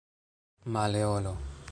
Maleolo